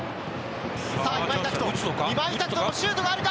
さあ、今井拓人、今井拓人のシュートがあるか？